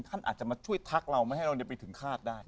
ท่านอาจจะมาช่วยทักเราไม่ให้เราไปถึงคาดได้